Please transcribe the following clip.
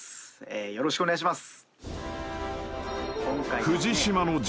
よろしくお願いします。